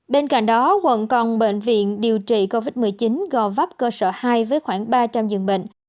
bên cạnh đó quận còn bệnh viện điều trị covid một mươi chín gò vấp cơ sở hai với khoảng ba trăm linh dường bệnh